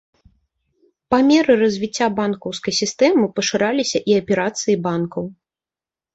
Па меры развіцця банкаўскай сістэмы пашыраліся і аперацыі банкаў.